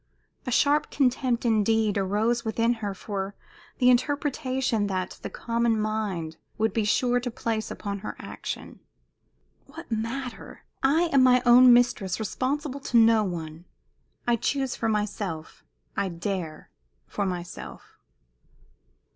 A sharp contempt, indeed, arose within her for the interpretation that the common mind would be sure to place upon her action. "What matter! I am my own mistress responsible to no one. I choose for myself I dare for myself!"